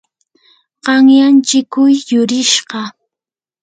qanyan chikuu yurishqa.